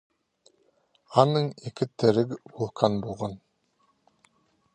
Аның ікі тіріг вулкан полған.